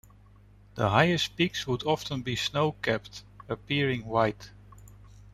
The highest peaks would often be snow-capped, appearing white.